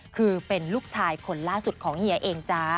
คือเป็นลูกชายคนล่าสุดของเห